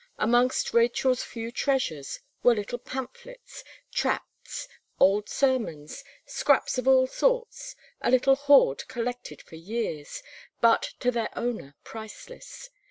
Amongst Rachel's few treasures, were little pamphlets, tracts, old sermons, scraps of all sorts, a little hoard collected for years, but to their owner priceless.